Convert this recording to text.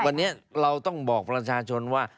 วันนี้เราต้องบอกประชาชนว่า